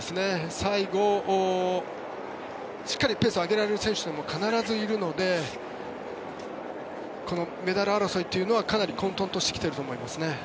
最後、しっかりペースを上げられる選手というのも必ずいるのでメダル争いというのは混とんとしてきていると思います。